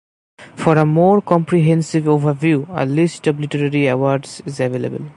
For a more comprehensive overview a list of literary awards is available.